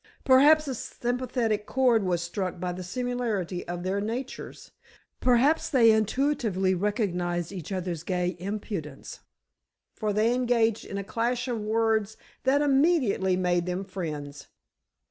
Perhaps a sympathetic chord was struck by the similarity of their natures. Perhaps they intuitively recognized each other's gay impudence, for they engaged in a clash of words that immediately made them friends.